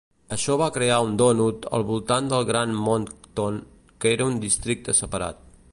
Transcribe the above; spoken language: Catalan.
Això va crear un "dònut" al voltant del Gran Moncton, que era un districte separat.